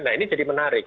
nah ini jadi menarik